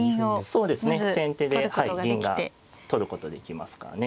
そうですね先手で銀が取ることできますからね。